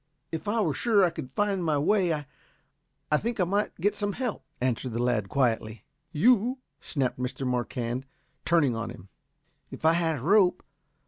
"If I were sure I could find my way, I think I might get some help," answered the lad quietly. "You!" snapped Mr. Marquand, turning on him. "If I had a rope.